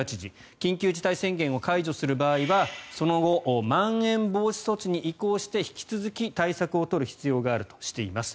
緊急事態宣言を解除する場合はその後まん延防止措置に移行して引き続き対策を取る必要があるとしています。